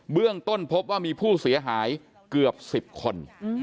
เรื่องต้นพบว่ามีผู้เสียหายเกือบ๑๐คน